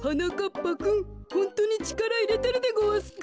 ぱくんホントにちからいれてるでごわすか？